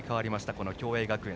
この共栄学園。